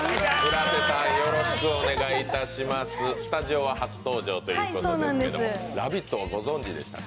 スタジオは初登場ということですけど、「ラヴィット！」はご存じでしたか？